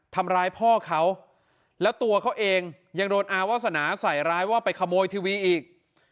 ทำร้ายพ่อเขาแล้วตัวเขาเองยังโดนอาวาสนาใส่ร้ายว่าไปขโมยทีวีอีก